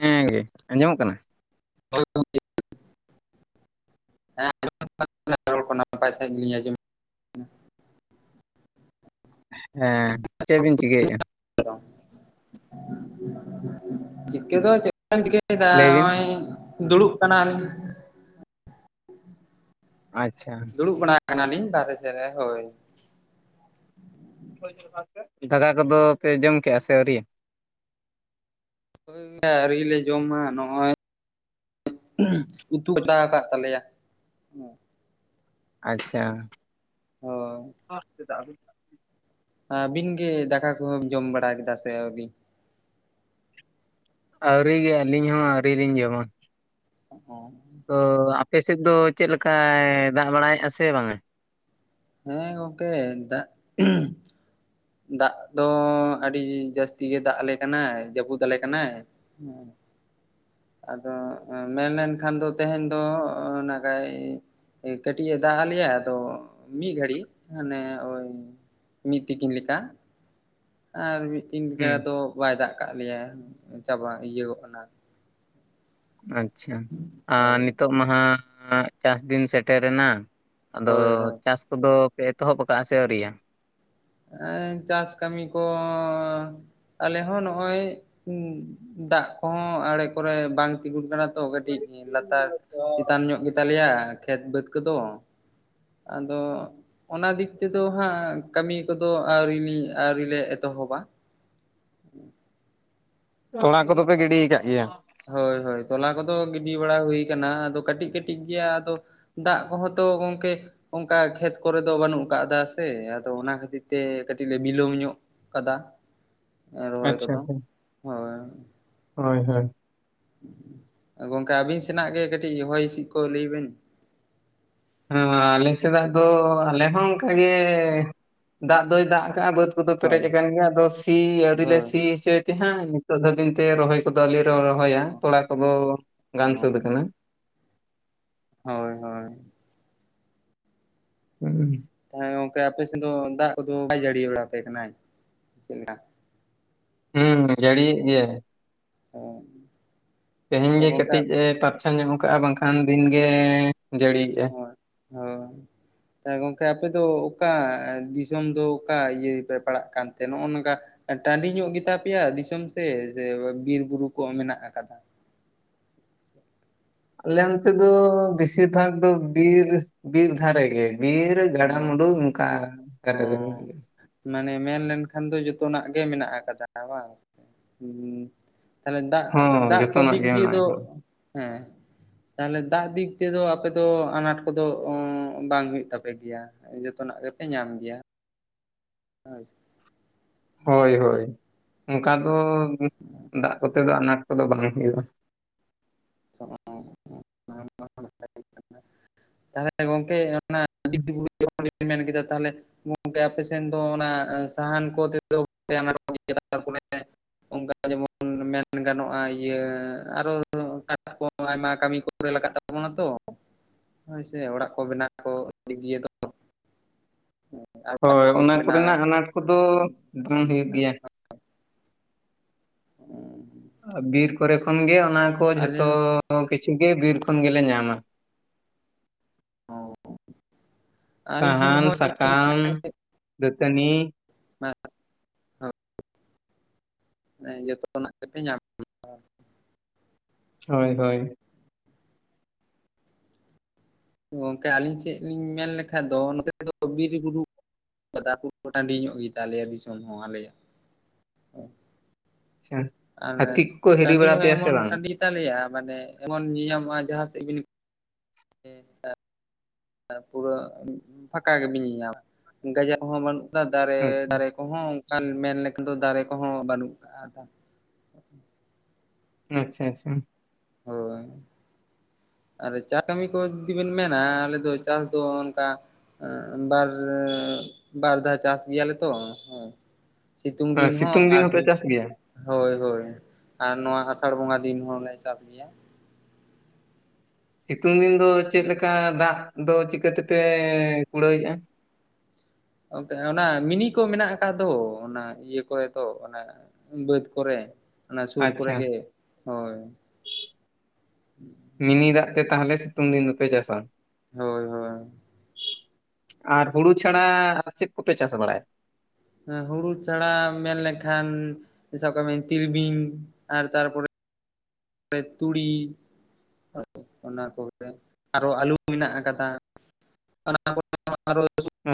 ᱦᱮᱸ ᱜᱮ ᱟᱸᱡᱚᱢᱚᱜ ᱠᱟᱱᱟ? ᱦᱳᱭ ᱜᱚᱝᱠᱮ᱾ ᱦᱮᱸ ᱟᱸᱡᱚᱢᱚᱜ ᱠᱟᱱ ᱜᱮᱭᱟ ᱨᱚᱲ ᱠᱚ ᱱᱟᱯᱟᱭ ᱥᱟᱹᱤᱡ ᱜᱤᱞᱤᱧ ᱟᱡᱚᱢᱮ ᱦᱮᱸ ᱪᱮᱜ ᱵᱤᱱ ᱪᱤᱠᱟᱹᱭᱮᱜ-ᱟ? ᱪᱤᱠᱟᱹ ᱫᱚ ᱪᱮᱜ ᱵᱟᱞᱤᱧ ᱪᱤᱠᱟᱹᱭ ᱫᱟ ᱞᱟᱹᱭ ᱵᱤᱱ ᱱᱚᱜ-ᱚᱭ ᱫᱩᱲᱩᱵ ᱠᱟᱱᱟ ᱞᱤᱧ᱾ ᱟᱪᱪᱷᱟ ᱫᱩᱲᱩᱵ ᱵᱟᱲᱟᱣ ᱠᱟᱱᱟ ᱞᱤᱧ ᱵᱟᱦᱨᱮ ᱥᱮᱫ ᱨᱮ ᱦᱳᱭ᱾ ᱫᱟᱠᱟ ᱠᱚᱫᱚ ᱯᱮ ᱡᱚᱢ ᱠᱮᱜ-ᱟ ᱥᱮ ᱟᱹᱣᱨᱤᱭᱟ? ᱦᱳᱭ ᱟᱹᱣᱨᱤ ᱞᱮ ᱡᱚᱢᱟ ᱱᱚᱜ-ᱚᱭ ᱩᱛᱩ ᱪᱚᱱᱫᱟ ᱟᱠᱟᱫ ᱛᱟᱞᱮᱭᱟ᱾ ᱟᱪᱪᱷᱟ ᱦᱳᱭ ᱟᱪ ᱫᱟᱵ [unintelligible] ᱟᱹᱵᱤᱱ ᱜᱮ ᱫᱟᱠᱟ ᱠᱚᱦᱚᱸᱢ ᱡᱚᱢ ᱵᱟᱲᱟ ᱠᱮᱫᱟ ᱥᱮ ᱟᱹᱣᱨᱤ? ᱟᱹᱣᱨᱤ ᱜᱮ ᱟᱹᱞᱤᱧ ᱦᱚᱸ ᱟᱹᱣᱨᱤ ᱞᱤᱧ ᱡᱚᱢᱟ᱾ ᱚᱦᱚ ᱛᱚ ᱟᱯᱮ ᱥᱮᱫ ᱫᱚ ᱪᱮᱫ ᱞᱮᱠᱟᱭ ᱫᱟᱜ ᱵᱟᱲᱟᱭᱮᱫ-ᱟ ᱥᱮ ᱵᱟᱝᱟ? ᱦᱮᱸ ᱜᱚᱝᱠᱮ ᱫᱟᱜ ᱫᱟᱜ ᱫᱚ ᱟᱹᱰᱤ ᱡᱟᱹᱥᱛᱤ ᱜᱮ ᱫᱟᱜ ᱟᱞᱮ ᱠᱟᱱᱟᱭ ᱡᱟᱹᱯᱩᱫ ᱟᱞᱮ ᱠᱟᱱᱟᱭ᱾ ᱦᱮᱸ ᱟᱫᱚ ᱢᱮᱱ ᱞᱮᱱᱠᱷᱟᱱ ᱫᱚ ᱛᱮᱦᱮᱧ ᱫᱚ ᱚ ᱱᱟᱠᱷᱟᱡ ᱠᱟᱹᱴᱤᱡ ᱮ ᱫᱟᱜ ᱟᱜ ᱞᱮᱭᱟ ᱟᱫᱚ ᱢᱤᱫ ᱜᱷᱟᱹᱲᱤᱡ ᱦᱟᱱᱮ ᱳᱭ ᱢᱤᱫ ᱛᱤᱠᱤᱱ ᱞᱮᱠᱟ ᱟᱨ ᱢᱤᱫ ᱫᱤᱱ ᱞᱮᱠᱟ ᱦᱩᱸ ᱫᱚ ᱵᱟᱭ ᱫᱟᱜ ᱠᱟᱜ ᱞᱮᱭᱟ ᱪᱟᱵᱟ ᱤᱭᱟᱹ ᱠᱚᱜ ᱠᱟᱱᱟ, ᱟᱪᱪᱷᱟ ᱟᱨ ᱦᱳᱭ ᱱᱤᱛᱳᱜ ᱢᱟᱦᱟᱜ ᱪᱟᱥ ᱫᱤᱱ ᱥᱮᱴᱮᱨᱮᱱᱟ, ᱟᱫᱚ ᱦᱳᱭ ᱦᱳᱭ ᱪᱟᱥ ᱠᱚᱫᱚ ᱯᱮ ᱮᱛᱚᱦᱚᱵ ᱠᱟᱜ-ᱟ ᱥᱮ ᱟᱹᱣᱨᱤᱭᱟ? ᱮ ᱪᱟᱥ ᱠᱟᱹᱢᱤ ᱠᱚ ᱟᱞᱮ ᱦᱚᱸ ᱱᱚᱜ ᱚᱭ ᱫᱟᱜ ᱠᱚᱦᱚᱸ ᱟᱲᱮ ᱠᱚᱨᱮ ᱵᱟᱝ ᱛᱤᱸᱜᱩᱱ ᱠᱟᱱᱟ᱾ ᱛᱚ ᱠᱟᱹᱴᱤᱡ ᱞᱟᱛᱟᱨ ᱪᱮᱛᱟᱱ ᱧᱚᱜ ᱜᱮᱛᱟᱞᱮᱭᱟ, ᱠᱷᱮᱛ ᱵᱟᱹᱫᱽ ᱠᱚᱫᱚ ᱟᱫᱚ ᱚᱱᱟ ᱫᱤᱠ ᱛᱮᱫᱚ ᱦᱟᱸᱜ ᱠᱟᱹᱢᱤ ᱱᱤᱛᱚᱜ ᱫᱚ ᱟᱹᱣᱨᱤ ᱟᱹᱣᱨᱤ ᱞᱮ ᱮᱛᱚᱦᱚᱵᱟ, ᱛᱚᱲᱟ ᱠᱚᱫᱚᱯᱮ ᱜᱤᱰᱤ ᱠᱟᱜ ᱜᱮᱭᱟ, ᱦᱳᱭ ᱦᱳᱭ ᱛᱚᱞᱟ ᱠᱚᱫᱚ ᱜᱤᱰᱤ ᱵᱟᱲᱟ ᱦᱩᱭᱩᱭ ᱠᱟᱱᱟ ᱟᱫᱚ ᱠᱟᱹᱴᱤᱡ ᱠᱟᱹᱴᱤᱡ ᱜᱮᱭᱟ, ᱟᱫᱚ ᱫᱟᱜ ᱠᱚᱦᱚᱸ ᱛᱚ ᱜᱚᱢᱠᱮ ᱚᱱᱠᱟ ᱠᱷᱮᱛ ᱠᱚᱨᱮ ᱫᱚ ᱵᱟᱹᱱᱩᱜ ᱟᱠᱟᱫᱟ ᱥᱮ ᱟᱫᱚ ᱚᱱᱟ ᱠᱷᱟᱹᱛᱤᱨ ᱛᱮ ᱠᱟᱹᱴᱤᱡ ᱞᱮ ᱵᱤᱞᱚᱢ ᱧᱚᱜ ᱠᱟᱫᱟ ᱨᱚᱦᱚᱭ ᱟᱪᱪᱷᱟ ᱠᱚᱫᱚ ᱟᱪᱪᱷᱟ ᱦᱳᱭ᱾ ᱦᱳᱭ ᱦᱳᱭ᱾ ᱜᱚᱝᱠᱮ ᱟᱵᱤᱱ ᱥᱮᱱᱟᱜ ᱜᱮ ᱠᱟᱹᱴᱤᱡ ᱦᱚᱭ ᱦᱤᱸᱥᱤᱫ ᱠᱚ ᱞᱟᱹᱭ ᱵᱤᱱ? ᱦᱮ ᱢᱟ ᱟᱹᱞᱤᱧ ᱥᱮᱱᱟᱜ ᱫᱚ ᱟᱞᱮ ᱦᱚᱸ ᱚᱱᱠᱟ ᱜᱮ ᱫᱟᱜ ᱫᱚᱭ ᱫᱟᱜ ᱟᱠᱟᱟᱜ-ᱟ, ᱵᱟᱹᱫᱽ [unintelligible] ᱯᱮᱨᱮᱡ ᱦᱳᱭ ᱟᱠᱟᱱ ᱜᱮᱭᱟ ᱟᱫᱚ ᱥᱤ ᱟᱹᱣᱨᱤ ᱞᱮ ᱦᱳᱭ ᱥᱤ ᱦᱚᱪᱮᱫ ᱦᱟᱸᱜ ᱱᱤᱛᱚᱜ ᱫᱷᱟᱹᱵᱤᱡ ᱛᱮ ᱨᱚᱦᱚᱭ ᱠᱚᱫᱚ ᱟᱹᱣᱨᱤ ᱞᱮ ᱨᱚᱦᱚᱭᱟ ᱛᱚᱲᱟ ᱠᱚᱫᱚ ᱜᱟᱱ ᱥᱟᱹᱛ ᱟᱠᱟᱱᱟ᱾ ᱦᱳᱭ ᱦᱳᱭ᱾ ᱦᱩᱸ ᱛᱟᱦᱚᱞᱮ ᱜᱚᱝᱠᱮ ᱟᱯᱮ ᱥᱮᱫ ᱫᱚ ᱫᱟᱜ ᱠᱚᱫᱚ ᱵᱟᱭ ᱡᱟᱹᱲᱤ ᱵᱟᱲᱟ ᱟᱯᱮ ᱠᱟᱱᱟᱭ ᱪᱮᱫ ᱞᱮᱠᱟ? ᱦᱩᱸ ᱡᱟᱹᱲᱤᱭᱮᱫ ᱜᱮᱭᱟᱭ᱾ [unintelligible] ᱛᱮᱦᱮᱧ ᱛᱚ ᱜᱮ ᱜᱚᱝᱠᱮ ᱠᱟᱹᱴᱤᱡ ᱮ ᱯᱟᱨᱪᱷᱟ ᱧᱚᱧ ᱠᱟᱜ-ᱟ ᱵᱟᱝᱠᱷᱟᱱ ᱫᱤᱱ ᱜᱮ ᱡᱟᱹᱲᱤᱭᱜ-ᱟ᱾ ᱦᱳᱭ ᱦᱚᱭ᱾ ᱛᱟᱦᱞᱮ ᱜᱚᱢᱠᱮ ᱟᱯᱮ ᱫᱚ ᱚᱠᱟ ᱫᱤᱥᱚᱢ ᱫᱚ ᱚᱠᱟ ᱤᱭᱟᱹ ᱯᱮ ᱯᱟᱲᱟᱜ ᱠᱟᱱᱛᱮ ᱱᱚᱜ-ᱚ ᱱᱚᱝᱠᱟ ᱴᱟᱹᱰᱤ ᱧᱚᱜ ᱜᱮᱛᱟ ᱯᱮᱭᱟ ᱫᱤᱥᱚᱢ ᱥᱮ ᱵᱤᱨ ᱵᱩᱨᱩ ᱠᱚ ᱢᱮᱱᱟᱜ ᱟᱠᱟᱫᱟ? ᱟᱞᱮ ᱚᱱᱛᱮ ᱫᱚ ᱵᱮᱥᱤᱨ ᱵᱷᱟᱜ ᱫᱚ ᱵᱤᱨ ᱵᱤᱨ ᱫᱷᱟᱨᱮ ᱜᱮ᱾ ᱵᱤᱨ ᱚ ᱜᱟᱰᱟ ᱢᱩᱰᱩ ᱱᱚᱝᱠᱟ ᱚ [unintelligible] ᱢᱟᱱᱮ ᱢᱮᱱ ᱞᱮᱠᱷᱟᱱ ᱫᱚ ᱡᱚᱛᱚᱱᱟᱜ ᱜᱮ ᱢᱮᱱᱟᱜ ᱟᱠᱟᱫᱟ ᱵᱟᱝ, ᱛᱟᱦᱚᱞᱮ ᱫᱟᱜ ᱦᱚᱸ ᱫᱟᱜ ᱠᱚ ᱡᱚᱛᱚᱱᱟᱜ ᱫᱤᱠ ᱜᱮ ᱫᱤᱭᱮ ᱢᱮᱱᱟᱜ ᱫᱚ ᱟᱠᱟᱫᱟ ᱦᱮᱸ ᱛᱟᱦᱚᱞᱮ ᱫᱟᱜ ᱫᱤᱠ ᱛᱮᱫᱚ ᱟᱯᱮᱫᱚ ᱟᱱᱟᱴ ᱠᱚᱫᱚ ᱵᱟᱝ ᱦᱩᱭᱩᱜ ᱛᱟᱯᱮ ᱜᱮᱭᱟ ᱡᱚᱛᱚᱱᱟᱜ ᱜᱮᱯᱮ ᱧᱟᱢ ᱜᱮᱭᱟ᱾ [unintelligible] ᱦᱳᱭ ᱦᱳᱭ ᱚᱱᱠᱟ ᱫᱚ ᱫᱟᱜ ᱠᱚᱛᱮ ᱫᱚ ᱟᱱᱟᱴ ᱠᱚᱫᱚ ᱵᱟᱝ ᱦᱩᱭᱩᱜ-ᱟ᱾ [unintelligible] ᱛᱟᱦᱚᱞᱮ ᱜᱚᱝᱠᱮ ᱚᱱᱟ ᱵᱤᱨ ᱵᱩᱨᱩ ᱡᱚᱠᱷᱚᱱ ᱢᱮᱱ ᱠᱮᱫᱟ ᱛᱟᱦᱚᱞᱮ ᱜᱚᱝᱠᱮ ᱟᱯᱮ ᱥᱮᱱ ᱫᱚ ᱚᱱᱟ ᱥᱟᱦᱟᱱ ᱠᱚ ᱛᱚ [unintelligible] ᱚᱱᱠᱟ ᱡᱮᱢᱚᱱ ᱢᱮᱱ ᱜᱟᱱᱚᱜ-ᱟ ᱤᱭᱟᱹ ᱟᱨᱚ ᱠᱚ ᱟᱭᱢᱟ ᱠᱟᱹᱢᱤ ᱠᱚᱨᱮ ᱞᱟᱜᱟᱜ ᱛᱟᱵᱚᱱᱟ ᱛᱚ, ᱦᱚᱳᱭ ᱥᱮ ᱚᱲᱟᱜ ᱠᱚ ᱵᱮᱱᱟᱣ ᱠᱚ ᱫᱤᱠ ᱫᱤᱭᱮ ᱫᱚ᱾ ᱟᱨ ᱦᱳᱭ ᱠᱚᱢ ᱚᱱᱟ ᱵᱮᱱᱟᱣ ᱠᱚᱨᱮᱱᱟᱜ ᱟᱱᱟᱴ ᱠᱚᱫᱚ ᱵᱟᱝ ᱦᱩᱭᱩᱜ ᱜᱮᱭᱟ᱾ [unintelligible] ᱟᱨ ᱵᱤᱨ ᱠᱚᱨᱮ ᱠᱷᱚᱱ ᱜᱮ ᱚᱱᱟ ᱠᱚ ᱟᱞᱮ ᱡᱷᱚᱛᱚ ᱠᱤᱪᱷᱩ ᱜᱮ ᱵᱤᱨ ᱠᱷᱚᱱ ᱜᱮᱞᱮ ᱧᱟᱢᱟ᱾ ᱚ ᱥᱟᱦᱟᱱ ᱥᱟᱠᱟᱢ ᱫᱛᱟᱱᱤ, ᱡᱚᱛᱚᱱᱟᱜ ᱜᱮᱯᱮ ᱧᱟᱢᱟ, [unintelligible] ᱦᱳᱭ ᱦᱳᱭ᱾ ᱜᱚᱝᱠᱮ ᱟᱹᱞᱤᱧ ᱥᱮᱫ ᱞᱤᱧ ᱢᱮᱱ ᱞᱮᱠᱷᱟᱡ ᱫᱚ ᱱᱚᱛᱮ ᱫᱚ ᱵᱤᱨ ᱵᱩᱨᱩ [unintelligible] ᱠᱚ ᱴᱟᱹᱰᱤ ᱧᱚᱜ ᱜᱮᱛᱟᱞᱮᱭᱟ ᱫᱤᱥᱚᱢ ᱦᱚᱸ ᱟᱞᱮᱭᱟᱜ, ᱟᱪᱪᱷᱟ, ᱦᱟᱹᱛᱤ ᱠᱚᱠᱚ ᱦᱤᱨᱤ ᱵᱟᱲᱟ ᱯᱮᱭᱟ ᱥᱮ ᱵᱟᱝ? ᱠᱚᱛᱟᱞᱮᱭᱟ ᱢᱟᱱᱮ ᱮᱢᱚᱱ ᱧᱮᱭᱟᱢᱚᱜ-ᱟ ᱡᱟᱦᱟᱸ ᱥᱮᱫ ᱵᱤᱱ ᱦᱮᱸ ᱮᱸ ᱟᱨ ᱯᱩᱨᱟᱹ ᱯᱷᱟᱸᱠᱟ ᱜᱮ ᱵᱤᱱ ᱧᱮᱧᱟᱢᱟ, ᱜᱟᱡᱟᱲ ᱦᱚᱸ ᱵᱟᱹᱱᱩᱜ ᱠᱟᱫᱟ, ᱫᱟᱨᱮ ᱟᱪᱪᱷᱟ ᱫᱟᱨᱮ ᱠᱚᱦᱚᱸ ᱚᱱᱠᱟᱱ ᱢᱮᱱ ᱞᱮᱠᱷᱟᱱ ᱫᱚ ᱫᱟᱨᱮ ᱠᱚᱦᱚᱸ ᱵᱟᱹᱱᱩᱜ ᱠᱟᱜ-ᱟ ᱟᱫᱚ᱾ ᱦᱩᱸᱜ-ᱩᱸ᱾ ᱟᱪᱪᱷᱟ ᱟᱪᱪᱷᱟ᱾ ᱦᱳᱭ᱾ ᱟᱨ ᱪᱟ ᱠᱟᱹᱢᱤ ᱠᱚ ᱡᱩᱫᱤ ᱵᱤᱱ ᱢᱮᱱᱟ ᱟᱞᱮ ᱫᱚ ᱪᱟᱥ ᱫᱚ ᱚᱱᱠᱟ ᱮᱸ ᱵᱟᱨ, ᱵᱟᱨ ᱫᱷᱟᱣ ᱪᱟᱥ ᱜᱮᱭᱟ ᱞᱮ ᱛᱚ ᱦᱮᱸ᱾ ᱥᱤᱛᱳᱝ ᱟᱨ ᱫᱤᱱ ᱦᱚᱸ ᱥᱤᱛᱩᱝ ᱟᱨ ᱦᱚᱸᱯᱮ ᱪᱟᱥ ᱦᱩᱭᱩᱜ-ᱟ᱾ ᱜᱮᱭᱟ ᱦᱳᱭ ᱦᱳᱭ, ᱟᱨ ᱱᱚᱣᱟ ᱟᱥᱟᱲ ᱵᱚᱸᱜᱟ ᱫᱤᱱ ᱦᱚᱸᱞᱮ ᱪᱟᱥ ᱜᱮᱭᱟ᱾ ᱥᱤᱛᱩᱝ ᱫᱤᱱ ᱫᱚ ᱪᱮᱫ ᱞᱮᱠᱟ ᱫᱟᱜ ᱫᱚ ᱪᱤᱠᱟᱹ ᱛᱮ ᱯᱮ ᱠᱩᱲᱟᱹᱣᱮᱜ-ᱟ? ᱚᱱᱛᱮ ᱚᱱᱟ ᱢᱤᱱᱤ ᱠᱚ ᱢᱮᱱᱟᱜ ᱟᱠᱟᱫ ᱫᱚ ᱚᱱᱟ ᱤᱭᱟᱹ ᱠᱚᱨᱮ ᱫᱚ ᱚᱱᱟ ᱵᱟᱹᱫ ᱠᱚᱨᱮ, ᱚᱱᱟ ᱥᱩᱨ ᱠᱚᱨᱮ ᱟᱪᱪᱷᱟ ᱜᱮ ᱦᱳᱭ᱾ ᱢᱤᱱᱤ ᱫᱟᱜ ᱛᱮ ᱛᱟᱦᱞᱮ ᱥᱤᱛᱳᱝ ᱫᱤᱱ ᱫᱚᱯᱮ ᱪᱟᱥᱟ? ᱦᱳᱭ ᱦᱳᱭ᱾ ᱟᱨ ᱦᱩᱲᱩ ᱪᱷᱟᱲᱟ ᱪᱮᱫ ᱠᱚᱯᱮ ᱪᱟᱥ ᱵᱟᱲᱟᱭᱟ? ᱦᱮᱸ, ᱦᱩᱲᱩ ᱪᱷᱟᱲᱟ ᱢᱮᱱ ᱞᱠᱷᱟᱱ ᱥᱟᱵ ᱠᱟᱜ ᱢᱮ ᱛᱤᱞᱢᱤᱧ ᱟᱨ ᱛᱟᱨᱯᱚᱨᱮ ᱨᱮ ᱛᱩᱲᱤ ᱚᱱᱟ ᱠᱚᱜᱮ, ᱟᱨᱚ ᱟᱹᱞᱩ ᱢᱮᱱᱟᱜ ᱟᱠᱟᱫᱟ᱾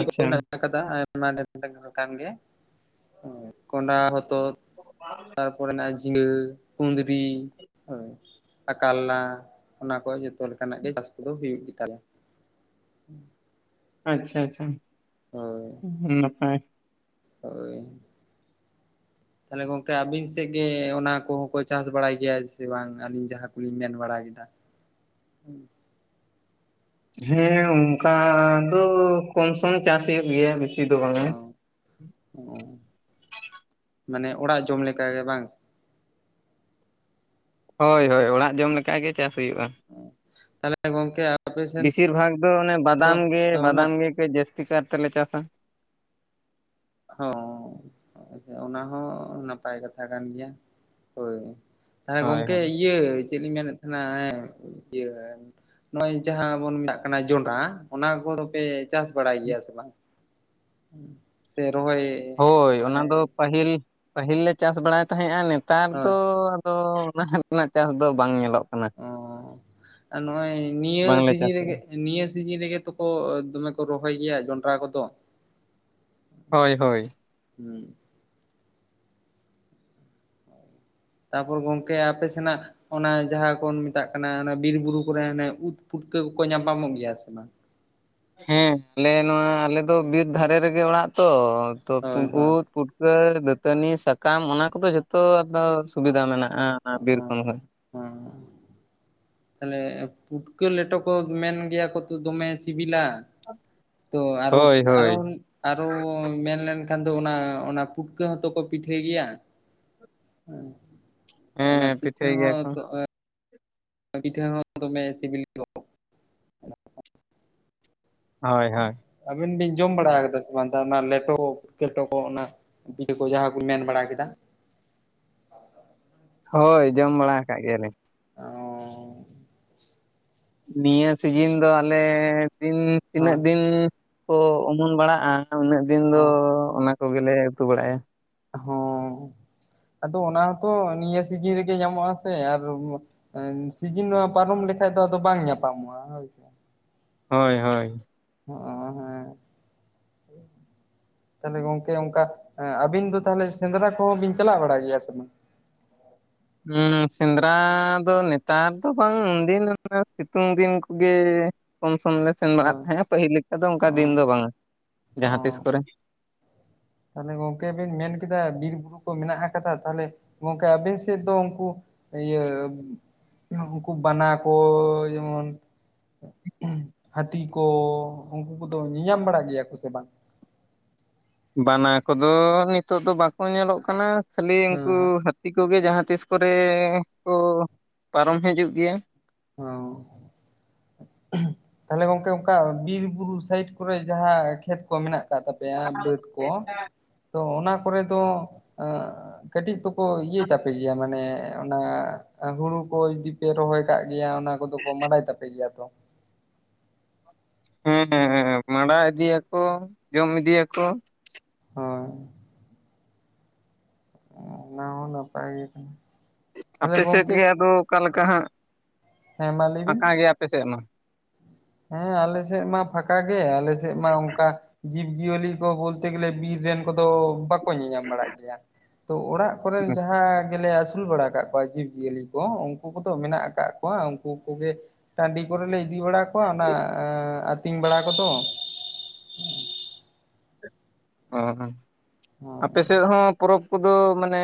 ᱟᱪᱪᱷᱟ ᱠᱟᱫᱟᱢ, ᱟᱭᱢᱟ ᱫᱷᱮᱨ ᱴᱟᱸᱜᱟᱣᱟᱠᱟᱱ ᱜᱮ, ᱦᱩᱸ᱾ ᱠᱚᱸᱰᱟᱷᱟ, ᱦᱚᱛᱚᱫ ᱛᱟᱨᱯᱚᱨᱮ ᱢᱮᱱᱟᱜ-ᱟ ᱡᱷᱤᱸᱜᱟᱹ, ᱠᱩᱸᱫᱽᱨᱤ ᱦᱳᱭ ᱟᱨ ᱠᱟᱞᱞᱟ ᱚᱱᱟ ᱠᱚ ᱡᱚᱛᱚ ᱞᱮᱠᱟᱱᱟᱜ ᱜᱮ ᱪᱟᱥ ᱠᱚᱫᱚ ᱦᱩᱭᱩᱜ ᱜᱮ ᱛᱟᱞᱮᱭᱟ᱾ ᱟᱪᱪᱷᱟ ᱟᱪᱪᱷᱟ᱾ ᱦᱳᱭ᱾ ᱦᱩᱸ, ᱟᱹᱰᱤ ᱱᱟᱯᱟᱭ᱾ ᱦᱳᱭ᱾ ᱛᱟᱦᱞᱮ ᱜᱚᱝᱠᱮ ᱟᱹᱵᱤᱱ ᱥᱮᱫ ᱜᱮ ᱚᱱᱟ ᱠᱚ ᱦᱚᱸ ᱠᱚ ᱪᱟᱹᱥ ᱵᱟᱲᱟᱭ ᱜᱮᱭᱟ ᱥᱮ ᱵᱟᱝ ᱟᱹᱞᱤᱧ ᱡᱟᱦᱟᱸ ᱠᱩᱞᱤᱧ ᱢᱮᱱ ᱵᱟᱲᱟᱭ ᱮᱫᱟ? ᱦᱩᱸ, ᱦᱮᱸ, ᱚᱝᱠᱟ ᱫᱚ ᱠᱚᱢ-ᱥᱚᱢ ᱪᱟᱥ ᱦᱩᱭᱩᱜ ᱜᱮᱭᱟ ᱵᱤᱥᱤ ᱫᱚ ᱵᱟᱝᱟ᱾ ᱚ ᱚ, ᱢᱟᱱᱮ ᱚᱲᱟᱜ ᱡᱚᱢ ᱞᱮᱠᱟ ᱜᱮ ᱵᱟᱝ ᱥᱮ? ᱦᱳᱭ ᱦᱳᱭ, ᱚᱲᱟᱜ ᱡᱚᱢ ᱞᱮᱠᱟ ᱜᱮ ᱪᱟᱹᱥ ᱦᱩᱭᱩᱜ-ᱟ᱾ ᱛᱟᱦᱚᱞᱮ ᱜᱚᱝᱠᱮ ᱟᱯᱮ ᱥᱮᱱ ᱵᱤᱥᱤᱨ ᱵᱷᱟᱜᱽ ᱫᱚ ᱚᱱᱮ ᱫᱚ ᱵᱟᱫᱟᱢ ᱜᱮ, ᱚᱱᱟ ᱵᱟᱫᱟᱢ ᱜᱮ᱾ ᱡᱟᱹᱥᱛᱤ ᱠᱟᱨ ᱛᱮᱞᱮ ᱪᱟᱥᱟ᱾ ᱦᱚᱸ, ᱚᱱᱟ ᱦᱚᱸ ᱱᱟᱯᱟᱭ ᱠᱟᱛᱷᱟ ᱠᱟᱱ ᱜᱮᱭᱟ, ᱦᱳᱭ᱾ ᱦᱮᱸ ᱦᱳᱭ ᱜᱚᱝᱠᱮ ᱦᱳᱭ᱾ ᱤᱭᱟᱹ ᱪᱮᱫ ᱞᱤᱧ ᱢᱮᱱᱮᱫ ᱛᱟᱸᱦᱮᱱᱟ ᱮᱸ ᱤᱭᱟᱹ ᱱᱚᱜ-ᱚᱭ ᱡᱟᱦᱟᱸ ᱵᱚᱱ ᱢᱮᱱᱟᱜ ᱠᱟᱱᱟ ᱡᱚᱸᱰᱨᱟ ᱚᱱᱟ ᱠᱚᱫᱚ ᱯᱮ ᱪᱟᱹᱥ ᱵᱟᱲᱟᱭ ᱜᱮᱭᱟ ᱥᱮ ᱵᱟᱝ? ᱦᱩᱸ, ᱥᱮ ᱨᱚᱦᱚᱭ ᱦᱳᱭ, ᱚᱱᱟ ᱢᱟᱱᱮ ᱫᱚ ᱯᱟᱹᱦᱤᱞ, ᱯᱟᱹᱦᱤᱞ ᱞᱮ ᱪᱟᱥ ᱵᱟᱲᱟᱭ ᱛᱟᱦᱮᱸᱜ-ᱟ ᱱᱮᱛᱟᱨ ᱫᱚ ᱦᱳᱭ ᱫᱚ ᱚᱱᱟ ᱨᱮᱱᱟᱜ ᱪᱟᱥ ᱫᱚ ᱵᱟᱝ ᱧᱮᱞᱚᱜ ᱠᱟᱱᱟ᱾ ᱚ, ᱟᱨ ᱱᱚᱜ-ᱚᱭ ᱱᱤᱭᱟᱹ ᱵᱟᱝᱞᱮ ᱥᱤᱡᱤᱱ ᱨᱮ ᱪᱟᱥᱮᱜᱼᱟ ᱜᱮ ᱱᱤᱭᱟᱹ ᱥᱤᱡᱤᱱ ᱨᱮ ᱜᱮ ᱛᱚᱠᱚ, ᱫᱚᱢᱮ ᱠᱚ ᱨᱚᱦᱚᱭ ᱜᱮᱭᱟ ᱡᱚᱸᱰᱨᱟ ᱠᱚ ᱫᱚ᱾ ᱦᱳᱭ ᱦᱳᱭ᱾ ᱦᱩᱸ ᱛᱟᱨᱯᱚᱨ ᱜᱚᱝᱠᱮ ᱟᱯᱮ ᱥᱮᱱᱟᱜ ᱚᱱᱟ ᱡᱟᱦᱟᱸ ᱠᱚᱱ ᱢᱮᱛᱟᱜ ᱠᱟᱱᱟ ᱚᱱᱟ ᱵᱤᱨ-ᱵᱩᱨᱩ ᱠᱚᱨᱮ ᱚᱱᱮ ᱩᱫ ᱯᱩᱴᱠᱟᱹ ᱠᱚᱠᱚ ᱧᱟᱯᱟᱢᱚᱜ ᱜᱮᱭᱟ ᱥᱮ ᱵᱟᱝ? ᱦᱮᱸ, ᱟᱞᱮ ᱱᱚᱣᱟ ᱟᱞᱮ ᱫᱚ ᱵᱤᱨ ᱫᱷᱟᱨᱮ ᱨᱮ ᱜᱮ ᱚᱲᱟᱜ ᱛᱚ ᱛᱚ, ᱦᱳᱭ [unintelligible] ᱦᱳᱭ ᱩᱫ ᱯᱩᱴ ᱠᱟᱹ, ᱫᱟᱹᱛᱟᱹᱱᱤ, ᱥᱟᱠᱟᱢ ᱚᱱᱟ ᱠᱚ ᱫᱚ ᱡᱷᱚᱛᱚ ᱟᱫᱚ ᱥᱩᱵᱤᱫᱷᱟ ᱢᱮᱱᱟᱜᱼᱟ ᱚᱱᱟ ᱵᱤᱨ ᱠᱷᱚᱱ ᱦᱚᱸ᱾ ᱦᱩᱸ ᱛᱟᱞᱦᱮ ᱯᱩᱴᱠᱟᱹ ᱞᱮᱴᱚ ᱠᱚ ᱢᱮᱱ ᱜᱮᱭᱟ ᱠᱚ ᱛᱚ ᱫᱚᱢᱮ ᱥᱤᱵᱤᱞᱟ᱾ ᱛᱚ ᱟᱨᱚ ᱦᱳᱭ ᱦᱳᱭ ᱟᱨᱚᱱ ᱟᱨᱚ ᱢᱮᱱᱞᱱᱠᱷᱟᱱ ᱫᱚ ᱚᱱᱟ ᱚᱱᱟ ᱯᱩᱴᱠᱟᱹ ᱦᱚᱸᱛᱚ ᱠᱚ ᱯᱤᱴᱷᱟᱹᱭ ᱜᱮᱭᱟ᱾ [unintelligible] ᱮ ᱚᱱᱟ ᱦᱮᱸ ᱯᱤᱛᱷᱟᱹ ᱯᱤᱴᱷᱟᱹᱭ ᱜᱮᱭᱟ ᱦᱚᱸ ᱠᱚ ᱛᱚ ᱮᱸ ᱯᱤᱴᱷᱟ ᱦᱚᱸ ᱫᱚᱢᱮ ᱥᱤᱵᱤᱞ ᱜᱚᱫ ᱦᱚᱭ ᱦᱚᱭ᱾ ᱟᱹᱵᱤᱱ ᱵᱤᱱ ᱡᱚᱢ ᱵᱟᱲᱟ ᱟᱠᱟᱫᱟ ᱥᱮ ᱵᱟᱝ ᱛᱟ ᱚᱱᱟ ᱞᱮᱴᱚ ᱠᱮᱴᱚ ᱠᱚ ᱚᱱᱟ [unintelligible] ᱠᱚ ᱡᱟᱦᱟᱸ ᱠᱩᱧ ᱢᱮᱱ ᱵᱟᱲᱟ ᱠᱮᱫᱟ? ᱦᱳᱭ ᱡᱚᱢ ᱵᱟᱲᱟ ᱟᱠᱟᱫ ᱜᱮᱭᱟᱞᱤᱧ᱾ ᱚᱸᱻ ᱱᱤᱭᱟᱹ ᱥᱤᱡᱤᱱ ᱫᱚ ᱟᱞᱮ ᱛᱤᱱ ᱛᱤᱱᱟᱹᱜ ᱦᱳᱭ ᱫᱤᱱᱻ ᱠᱚ ᱚᱢᱩᱱ ᱵᱟᱲᱟᱜᱼᱟ ᱩᱱᱟᱹᱜ ᱫᱤᱱ ᱫᱚ ᱚᱱᱟ ᱠᱚᱜᱮᱞᱮ ᱩᱛᱩ ᱵᱟᱲᱟᱭᱟ᱾ ᱦᱚᱸ ᱟᱫᱚ ᱚᱱᱟ ᱦᱚᱸᱛᱚ ᱱᱤᱭᱟᱹ ᱥᱤᱡᱤᱱ ᱨᱮᱜᱮ ᱧᱟᱢᱚᱜ ᱟ ᱥᱮ ᱟᱨ ᱱ ᱥᱤᱡᱤᱱ ᱱᱚᱣᱟ ᱯᱟᱨᱚᱢ ᱞᱮᱠᱷᱟᱡ ᱫᱚ ᱟᱫᱚ ᱵᱟᱝ ᱧᱟᱯᱟᱢᱚᱜᱼᱟ ᱦᱳᱭᱥᱮ᱾ ᱦᱳᱭ ᱦᱳᱭ᱾ ᱦᱚᱜᱚ ᱦᱮᱸ᱾ ᱛᱟᱦᱞᱮ ᱜᱚᱝᱠᱮ ᱚᱱᱠᱟ ᱮᱸ ᱟᱵᱤᱱ ᱫᱚ ᱛᱟᱦᱚᱞᱮ ᱥᱮᱸᱫᱽᱨᱟ ᱠᱚᱦᱚᱸ ᱵᱤᱱ ᱪᱟᱞᱟᱜ ᱵᱟᱲᱟᱜ ᱜᱮᱭᱟ ᱥᱮ ᱵᱟᱝ? ᱦᱩᱸ ᱥᱮᱸᱫᱽᱨᱟ ᱫᱚ ᱱᱮᱛᱟᱨ ᱫᱚ ᱵᱟᱝ ᱩᱱᱫᱤᱱ ᱚᱱᱟ ᱥᱤᱛᱩᱝ ᱫᱤᱱ ᱠᱩᱜᱮ ᱠᱚᱢ ᱥᱚᱢ ᱞᱮ ᱥᱮᱱ ᱵᱟᱲᱟᱜ ᱦᱳᱭ ᱛᱟᱦᱮᱸᱜᱼᱟ ᱯᱟᱹᱦᱤᱞ ᱞᱮᱠᱟ ᱫᱚ ᱚᱱᱠᱟ ᱚ ᱫᱤᱱ ᱫᱚ ᱵᱟᱝ-ᱟ ᱡᱟᱦᱟᱸ ᱛᱤᱥ ᱠᱚᱨᱮ᱾ ᱛᱟᱦᱞᱮ ᱜᱚᱝᱠᱮ ᱵᱮᱱ ᱢᱮᱱ ᱠᱮᱫᱟ ᱵᱤᱨ ᱵᱩᱨᱩ ᱠᱚ ᱢᱮᱱᱟᱜ ᱟᱠᱟᱫᱟ ᱛᱟᱦᱞᱮ ᱜᱚᱝᱠᱮ ᱟᱵᱮᱱ ᱥᱮᱫ ᱫᱚ ᱩᱱᱠᱩ ᱤᱭᱟᱹ ᱱᱩᱠᱩ ᱵᱟᱱᱟ ᱠᱚ ᱡᱮᱢᱚᱱ, ᱦᱟᱹᱛᱤ ᱠᱚ ᱩᱱᱠᱩ ᱠᱚᱫᱚ ᱧᱮᱧᱟᱢ ᱵᱟᱲᱟᱜ ᱜᱮᱭᱟ ᱠᱚ ᱥᱮ ᱵᱟᱝ? ᱵᱟᱱᱟ ᱠᱚᱫᱚ ᱱᱤᱛᱚᱜ ᱫᱚ ᱵᱟᱠᱚ ᱧᱮᱞᱚᱜ ᱠᱟᱱᱟ ᱠᱷᱟᱹᱞᱤ ᱩᱱᱠᱩ ᱦᱮᱸ ᱦᱟᱹᱛ ᱛᱤ ᱠᱚᱜᱮ ᱡᱟᱦᱟᱸ ᱛᱤᱥ ᱠᱚᱨᱮ ᱠᱚ ᱯᱟᱨᱚᱢ ᱦᱤᱡᱩᱜ ᱜᱮᱭᱟ᱾ ᱚᱸ ᱛᱟᱦᱚᱞᱮ ᱜᱚᱝᱠᱮ ᱚᱱᱠᱟ ᱵᱤᱨ-ᱵᱩᱨᱩ ᱥᱟᱭᱤᱴ ᱠᱚᱨᱮ ᱡᱟᱦᱟᱸ ᱠᱷᱮᱛ ᱠᱚ ᱢᱮᱱᱟᱜ ᱠᱟᱜ ᱛᱟᱯᱮᱭᱟ ᱵᱟᱹᱫᱽ ᱠᱚ ᱛᱚ ᱚᱱᱟ ᱠᱚᱨᱮ ᱫᱚ ᱟᱸᱜ ᱠᱟᱹᱴᱤᱡ ᱛᱚᱠᱚ ᱤᱭᱟᱹᱭ ᱛᱟᱯᱮ ᱜᱮᱭᱟ ᱢᱟᱱᱮ ᱚᱱᱟ ᱦᱩᱲᱩ ᱠᱚ ᱡᱩᱫᱤ ᱯᱮ ᱨᱚᱦᱚᱭ ᱠᱟᱜ ᱜᱮᱭᱟ ᱚᱱᱟ ᱠᱚᱫᱚ ᱠᱚ ᱢᱟᱸᱰᱟᱭ ᱛᱟᱯᱮ ᱜᱮᱭᱟ ᱛᱚ᱾ ᱦᱮᱸ ᱦᱮᱸ ᱢᱟᱸᱰᱟ ᱤᱫᱤᱭᱟᱠᱚ, ᱡᱚᱢ ᱤᱫᱤᱭᱟᱠᱚ᱾ ᱦᱳᱭ ᱚᱸ ᱚᱱᱟ ᱦᱚᱸ ᱱᱟᱯᱟᱭ ᱜᱮ ᱠᱟᱱᱟ᱾ ᱛᱟᱦᱚᱞᱮ ᱟᱯᱮ ᱥᱮᱫ ᱜᱚᱝᱠᱮ ᱜᱮ ᱟᱫᱚ ᱚᱠᱟᱞᱮᱠᱟ ᱦᱟᱸᱜ? ᱦᱮᱸ ᱢᱟ ᱞᱟᱹᱭ ᱟᱸᱠᱟ ᱵᱤᱱ ᱜᱮᱭᱟ ᱟᱯᱮ ᱥᱮᱫ ᱢᱟ᱾ ᱦᱮᱸ ᱟᱞᱮ ᱥᱮᱫ ᱢᱟ ᱯᱷᱟᱠᱟ ᱜᱮ ᱟᱞᱮ ᱥᱮᱫ ᱢᱟ ᱚᱱᱠᱟ ᱡᱤᱵᱽ ᱡᱤᱭᱟᱹᱞᱤ ᱠᱚ ᱵᱚᱞᱛᱮ ᱜᱮᱞᱮ ᱵᱤᱨ ᱨᱮᱱ ᱠᱚᱫᱚ ᱵᱟᱠᱚ ᱧᱮᱧᱟᱢ ᱵᱟᱲᱟᱜ ᱜᱮᱭᱟ᱾ ᱛᱚ ᱚᱲᱟᱜ ᱠᱚᱨᱮᱱ ᱡᱟᱦᱟᱸ ᱜᱮᱞᱮ ᱟᱹᱥᱩᱞ ᱵᱟᱲᱟ ᱟᱠᱟᱜ ᱠᱚᱣᱟ ᱡᱤᱵ ᱡᱤᱭᱟᱹᱞᱤ ᱠᱚ ᱩᱱᱠᱩ ᱠᱚᱫᱚ ᱢᱮᱱᱟᱜ ᱟᱠᱟᱫ ᱠᱚᱣᱟ ᱩᱱᱠᱩ ᱠᱚᱜᱮ ᱴᱟᱹᱰᱤ ᱠᱚᱨᱮᱞᱮ ᱤᱫᱤ ᱵᱟᱲᱟ ᱠᱚᱣᱟ ᱚᱱᱟ ᱟᱸ ᱟᱹᱛᱤᱧ ᱵᱟᱲᱟ ᱠᱚᱫᱚ᱾ ᱚᱸ ᱟᱯᱮ ᱥᱮᱫ ᱦᱚᱸ ᱯᱚᱨᱚᱵᱽ ᱠᱚᱫᱚ ᱢᱟᱱᱮ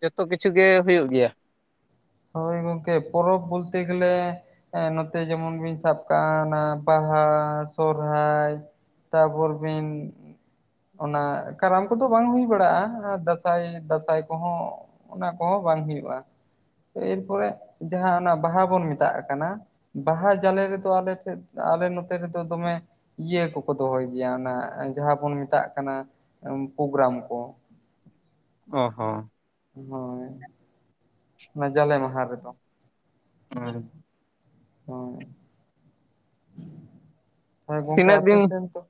ᱡᱷᱚᱛᱚ ᱠᱤᱪᱷᱩᱜᱮ ᱦᱩᱭᱩᱜ ᱜᱮᱭᱟ? ᱦᱳᱭ ᱜᱚᱝᱠᱮ ᱯᱚᱨᱚᱵ ᱵᱚᱞᱛᱮ ᱜᱮᱞᱮ ᱦᱮᱸ ᱱᱚᱛᱮ ᱡᱮᱢᱚᱱ ᱵᱤᱱ ᱥᱟᱵ ᱠᱟᱜᱼᱟ ᱵᱟᱦᱟ, ᱥᱚᱨᱦᱟᱭ ᱛᱟᱯᱚᱨ ᱵᱤᱱ ᱚᱱᱟ ᱠᱟᱨᱟᱢ ᱠᱚᱫᱚ ᱵᱟᱝ ᱦᱩᱭ ᱵᱟᱲᱟᱜᱼᱟ, ᱫᱟᱸᱥᱟᱭ ᱫᱟᱸᱥᱟᱭ ᱠᱚᱦᱚᱸ ᱚᱱᱟ ᱠᱚᱦᱚᱸ ᱵᱟᱝ ᱦᱩᱭᱩᱜᱼᱟ, ᱮᱨᱯᱚᱨᱮ ᱡᱟᱦᱟᱸ ᱚᱱᱟ ᱵᱟᱦᱟ ᱵᱚᱱ ᱢᱮᱛᱟᱜ ᱠᱟᱱᱟ, ᱵᱟᱦᱟ ᱡᱟᱞᱮ ᱨᱮᱫᱚ ᱟᱞᱮ ᱴᱷᱮᱡ ᱟᱞᱮ ᱱᱚᱛᱮ ᱨᱮᱫᱚ ᱫᱚᱢᱮ ᱤᱭᱟᱹ ᱠᱚᱠᱚ ᱫᱚᱦᱚᱭ ᱜᱮᱭᱟ ᱚᱱᱟ ᱡᱟᱦᱟᱸ ᱵᱚᱱ ᱢᱮᱛᱟᱜ ᱠᱟᱱᱟ ᱯᱳᱜᱨᱟᱢ ᱠᱚ᱾ ᱚ ᱦᱚᱸ᱾ ᱦᱳᱭ ᱚᱱᱟ ᱡᱟᱞᱮ ᱢᱟᱦᱟ ᱨᱮᱫᱚ᱾ [inaudible] ᱦᱩᱸ᱾ ᱦᱳᱭ ᱜᱚᱢᱠᱮ ᱛᱤᱱᱟᱹᱜ ᱟᱯᱮ ᱫᱤᱱ ᱥᱮᱱ ᱫᱚ,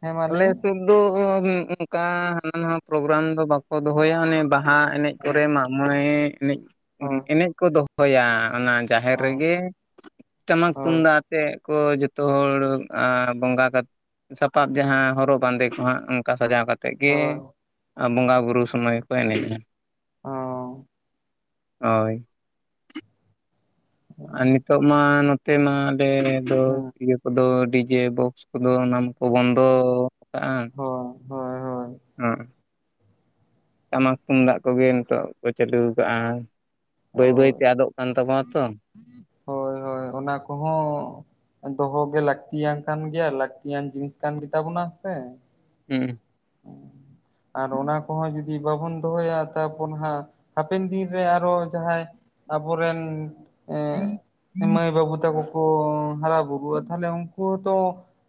ᱦᱮᱸ ᱢᱟ ᱞᱟᱹᱭ ᱟᱞᱮ ᱵᱤᱱ᱾ ᱥᱮᱫ ᱫᱚ ᱚᱝᱠᱟ ᱦᱟᱱᱟ ᱱᱟᱶᱟ ᱯᱨᱳᱜᱨᱟᱢ ᱫᱚ ᱵᱟᱠᱚ ᱫᱚᱦᱚᱭᱟ ᱚᱱᱮ ᱵᱟᱦᱟ ᱮᱱᱮᱡ ᱦᱳᱭ ᱠᱚᱨᱮ ᱢᱟᱜ ᱢᱚᱬᱮ ᱮᱱᱮᱡ ᱦᱳᱭ ᱮᱱᱮᱡ ᱠᱚ ᱫᱚᱦᱚᱭᱟ ᱚᱱᱟ ᱡᱟᱦᱮᱨ ᱦᱳᱭ ᱨᱮᱜᱮ ᱴᱟᱢᱟᱠ ᱦᱳᱭ ᱛᱩᱢᱫᱟᱜ ᱟᱛᱮᱜ ᱠᱚ ᱡᱚᱛᱚ ᱦᱚᱲ ᱟ ᱵᱚᱸᱜᱟ ᱠᱟᱛᱮ ᱥᱟᱯᱟᱵ ᱡᱟᱦᱟᱸ ᱦᱚᱨᱚᱜ ᱵᱟᱸᱫᱮ ᱠᱚ ᱦᱟᱸᱜ ᱚᱱᱠᱟ ᱥᱟᱡᱟᱣ ᱠᱟᱛᱮᱫ ᱜᱮ ᱦᱳᱭ ᱟᱸ ᱵᱚᱸᱜᱟ ᱵᱩᱨᱩ ᱥᱚᱢᱚᱭ ᱜᱮᱠᱚ ᱮᱱᱮᱡᱼᱟ᱾ ᱚ᱾ ᱦᱳᱭ᱾ ᱟ ᱱᱤᱛᱚᱜ ᱢᱟ ᱱᱚᱛᱮ ᱢᱟ ᱟᱞᱮ ᱫᱚ ᱤᱭᱟᱹ ᱠᱚᱫᱚ ᱰᱤᱡᱮ ᱵᱚᱠᱥ ᱠᱚᱫᱚ ᱚᱱᱟᱢᱟᱠᱚ ᱵᱚᱱᱫᱚ ᱠᱟᱜᱼᱟ᱾ ᱦᱳᱭ ᱦᱳᱭ ᱦᱳᱭ᱾ ᱦᱩᱸ ᱴᱟᱢᱟᱠ ᱛᱩᱢᱫᱟᱜ ᱠᱚᱜᱮ ᱱᱤᱛᱚᱜ ᱠᱚ ᱪᱟᱹᱞᱩ ᱠᱟᱜᱼᱟ᱾ ᱵᱟᱹᱭ ᱦᱳᱭ ᱵᱟᱹᱭᱛᱮ ᱟᱫᱚᱜ ᱠᱟᱱ ᱛᱟᱵᱚᱱᱟ ᱛᱚ᱾ ᱦᱳᱭ ᱦᱳᱭ ᱚᱱᱟ ᱠᱚᱦᱚᱸ ᱫᱚᱦᱚ ᱜᱮ ᱞᱟᱹᱠᱛᱤᱭᱟᱱ ᱠᱟᱱ ᱜᱮᱭᱟ ᱞᱟᱹᱠᱛᱤᱭᱟᱱ ᱡᱤᱱᱤᱥ ᱠᱟᱱ ᱜᱮᱛᱟᱵᱚᱱᱟ ᱥᱮ? ᱦᱩᱸ᱾ [unintelligible] ᱟᱨ ᱚᱱᱟ ᱠᱚᱦᱚᱸ ᱡᱩᱫᱤ ᱵᱟᱵᱚᱱ ᱫᱚᱦᱚᱭᱟ ᱛᱟᱨᱯᱚᱨ ᱦᱟᱸᱜ ᱦᱟᱯᱮᱱ ᱫᱤᱱᱨᱮ ᱟᱨᱦᱚ ᱡᱟᱦᱟᱸᱭ ᱟᱵᱚᱨᱮᱱ ᱮᱸᱜ ᱢᱟᱹᱭ ᱵᱟᱹᱵᱩ ᱛᱟᱠᱚ ᱠᱚ ᱦᱟᱨᱟ ᱵᱩᱨᱩᱜᱼᱟ ᱛᱟᱦᱚᱞᱮ ᱩᱱᱠᱩ ᱦᱚᱸᱛᱚ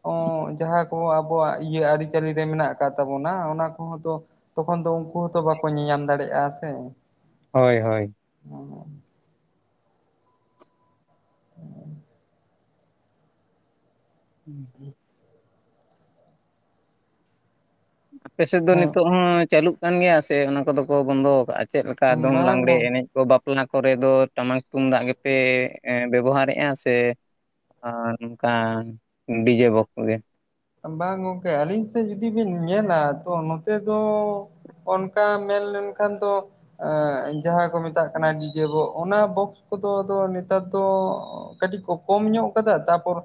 ᱚ ᱡᱟᱦᱟᱸ ᱠᱚ ᱟᱵᱚᱣᱟᱜ ᱤᱭᱟᱹ ᱟᱹᱨᱤᱪᱟᱹᱞᱤ ᱨᱮ ᱢᱮᱱᱟᱜ ᱠᱟᱜ ᱛᱟᱵᱚᱱᱟ ᱚᱱᱟ ᱠᱚᱦᱚᱸ ᱛᱚ ᱛᱚᱠᱷᱚᱱ ᱫᱚ ᱩᱱᱠᱩ ᱦᱚᱸᱛᱚ ᱵᱟᱠᱚ ᱧᱮᱞᱧᱟᱢ ᱫᱟᱲᱮᱭᱟᱜᱼᱟ ᱥᱮ? ᱦᱳᱭ ᱦᱳᱭ᱾ [inaudible] [unintelligible] [unintelligible] ᱟᱯᱮ ᱥᱮᱫ ᱫᱚ ᱱᱤᱛᱚᱜ ᱦᱚᱸ ᱪᱟᱹᱞᱩᱜ ᱠᱟᱱ ᱜᱮᱭᱟ ᱥᱮ ᱚᱱᱟ ᱠᱚᱫᱚ ᱠᱚ ᱵᱚᱱᱫᱚ ᱠᱟᱜᱼᱟ? ᱪᱮᱫ ᱞᱮᱠᱟ ᱦᱮᱸ ᱫᱚᱝ ᱵᱟᱝ ᱞᱟᱜᱽᱮ ᱜᱚᱝ ᱮᱱᱮᱡ ᱵᱟᱯᱞᱟ ᱠᱚᱨᱮ ᱫᱚ ᱴᱟᱢᱟᱠ ᱛᱩᱢᱫᱟᱜ ᱜᱮᱯᱮ ᱵᱮᱵᱚᱦᱟᱨᱮᱜᱼᱟ ᱥᱮ ᱟᱨ ᱱᱚᱝᱠᱟ ᱰᱤᱡᱮ ᱵᱚᱠᱥ ᱜᱮ? ᱵᱟᱝ ᱜᱚᱝᱠᱮ ᱟᱹᱞᱤᱧ ᱥᱮᱫ ᱡᱩᱫᱤ ᱵᱤᱱ ᱧᱮᱞᱟ ᱛᱚ ᱱᱚᱛᱮ ᱫᱚ ᱚᱱᱠᱟ ᱢᱮᱱᱞᱮᱞᱱᱠᱷᱟᱱ ᱫᱚ ᱮᱜ ᱡᱟᱦᱟᱸ ᱠᱚ ᱢᱮᱛᱟᱜ ᱠᱟᱱᱟ ᱰᱤᱡᱮ ᱵᱚᱠᱥ ᱚᱱᱟ ᱵᱚᱠᱥ ᱠᱚᱫᱚ ᱱᱮᱛᱟᱨ ᱫᱚ ᱠᱟᱹᱴᱤᱡ ᱠᱚ ᱠᱚᱢ ᱧᱚᱜ ᱠᱟᱫᱟ ᱛᱟᱯᱚᱨ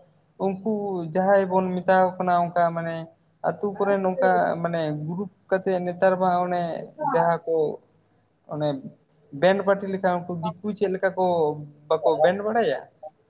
ᱩᱱᱠᱩ ᱡᱟᱦᱟᱸᱭ ᱵᱚᱱ ᱢᱮ ᱢᱮᱛᱟ ᱠᱚ ᱠᱟᱱᱟ ᱚᱝᱠᱟ ᱢᱟᱱᱮ ᱟᱛᱳ ᱠᱚᱨᱮᱱ ᱚᱝᱠᱟ ᱢᱟᱱᱮ ᱜᱨᱩᱯ ᱠᱟᱛᱮ ᱱᱮᱛᱟᱨ ᱢᱟ ᱚᱱᱮ ᱡᱟᱦᱟᱸ ᱠᱚ ᱚᱱᱮ ᱵᱮᱱᱰ ᱯᱟᱨᱴᱤ ᱞᱮ ᱠᱷᱟᱱ ᱩᱱᱠᱩ ᱫᱤᱠᱩ ᱪᱮᱫ ᱞᱮᱠᱟ ᱠᱚ ᱵᱟᱠᱚ ᱵᱮᱱᱰ ᱵᱟᱲᱟᱭᱟ,